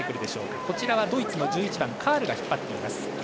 こちらではドイツの１１番カールが引っ張っています。